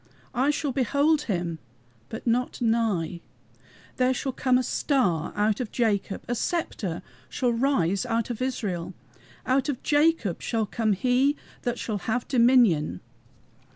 I shall behold HIM, but not nigh. There shall come a STAR out of Jacob, A sceptre shall rise out of Israel. Out of Jacob shall come HE that shall have dominion!"